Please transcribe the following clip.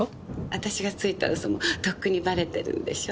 あたしがついた嘘もとっくにばれてるんでしょ？